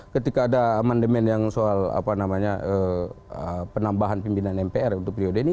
ketika ada amandemen yang soal penambahan pimpinan mpr untuk periode ini